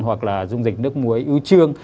hoặc là dùng dịch nước muối ưu trương